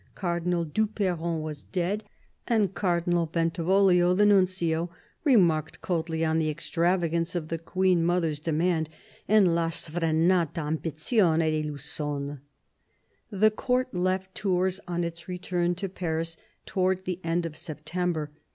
Cardinal du Perron was dead ; and Cardinal Bentivoglio, the Nuncio, remarked coldly on the extravagance of the Queen mother's demand and " la sfrenata ambizione di Lusson." The Court left Tours on its return to Paris towards the end of September.